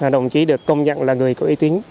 đồng chí được công nhận là người có uy tín